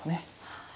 はい。